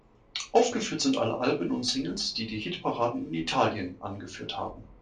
Aufgeführt sind alle Alben und Singles, die die Hitparaden in Italien angeführt haben.